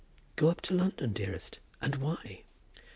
"Go up to London, dearest! and why?"